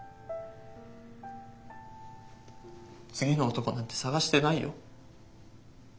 次の男なんて探してないよ。